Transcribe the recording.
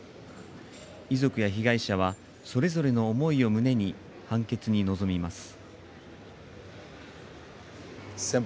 遺族や被害者はそれぞれの思いを胸に判決に臨みます。